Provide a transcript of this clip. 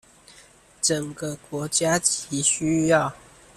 整個國家極需要